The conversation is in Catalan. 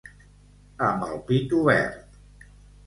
Amb el pit obert.